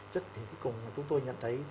rất thì cuối cùng chúng tôi nhận thấy